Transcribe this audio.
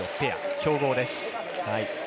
強豪です。